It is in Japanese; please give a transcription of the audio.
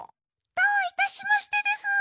どういたしましてでスー。